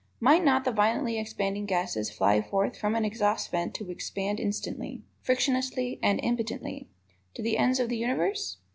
Might not the violently expanding gases fly forth from an exhaust vent to expand instantly, frictionlessly and impotently to the ends of the universe?